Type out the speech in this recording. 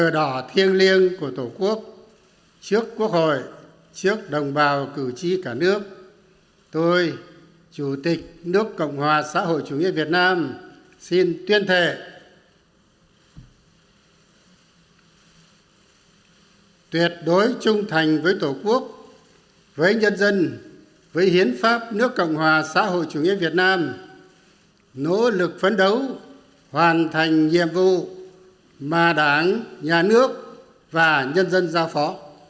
đồng bào cử tri cả nước tôi chủ tịch nước cộng hòa xã hội chủ nghĩa việt nam xin tuyên thệ tuyệt đối trung thành với tổ quốc với nhân dân với hiến pháp nước cộng hòa xã hội chủ nghĩa việt nam nỗ lực phấn đấu hoàn thành nhiệm vụ mà đảng nhà nước và nhân dân giao phó